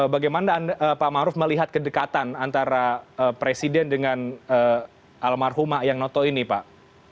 bagaimana pak maruf melihat kedekatan antara presiden dengan almarhum ayang noto ini pak